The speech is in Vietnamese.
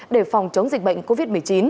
để phòng chống dịch bệnh covid một mươi chín